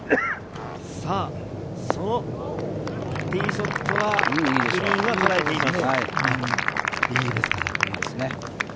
そのティーショットはグリーンはとらえています。